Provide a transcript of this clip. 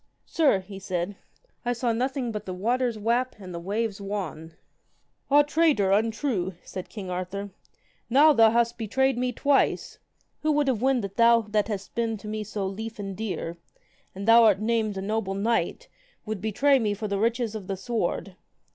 Sir, he said, I saw nothing but the waters wap and the waves wan. Ah traitor, untrue, said king Arthur, now hast thou betrayed me twice. Who would have wend that thou that hast been to me so lief and dear, and thou art named a noble knight, and would betray me for the riches of the sword.